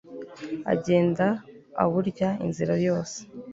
agenda aburya inzira yose